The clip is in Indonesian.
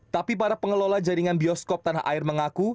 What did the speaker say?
tapi para pengelola jaringan bioskop tanah air mengaku